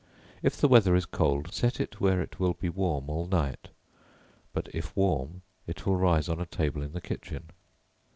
If the weather is cold, set it where it will be warm all night; but, if warm, it will rise on a table in the kitchen.